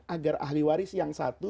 agar ahli waris yang satu